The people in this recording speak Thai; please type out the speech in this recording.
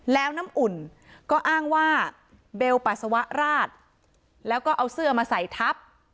แล้วน้ำอุ่นก็อ้างว่าเบลปัสสาวะราดแล้วก็เอาเสื้อมาใส่ทับ